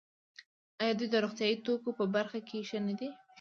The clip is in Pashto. آیا دوی د روغتیايي توکو په برخه کې ښه نه دي؟